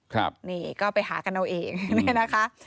ครับนี่ก็ไปหากันเอาเองเนี่ยนะคะ